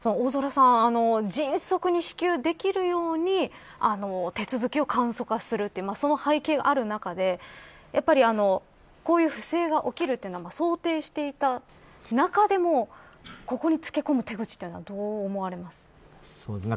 迅速に支給できるように手続きを簡素化するという背景がある中でこういった不正が起きるのは想定していた中でもここにつけ込む手口はどうですか。